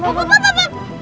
pak pak pak pak